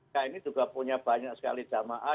kita ini juga punya banyak sekali jamaah